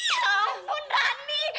ya ampun rani